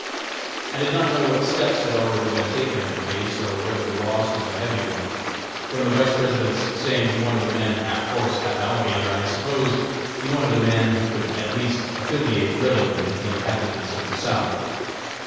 I did not know what steps had already been taken in the case, or whether the loss was a heavy one. From the Vice President's saying he wanted a man "half horse, half alligator," I supposed he wanted a man who could at least affiliate readily with the inhabitants of the South.